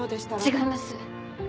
違います。